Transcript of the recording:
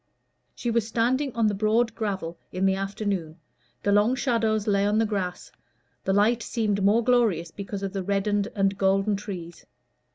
She was standing on the broad gravel in the afternoon; the long shadows lay on the grass; the light seemed the more glorious because of the reddened and golden trees.